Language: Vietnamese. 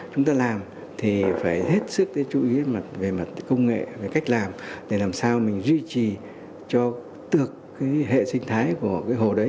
chúng ta làm thì phải hết sức chú ý về công nghệ về cách làm để làm sao mình duy trì cho tược hệ sinh thái của hồ đấy